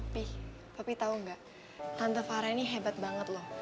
tapi tau gak tante fara ini hebat banget loh